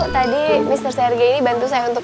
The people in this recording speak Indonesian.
tadi mr serge ini bantu saya untuk